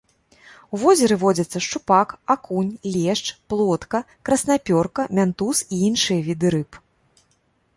У возеры водзяцца шчупак, акунь, лешч, плотка, краснапёрка, мянтуз і іншыя віды рыб.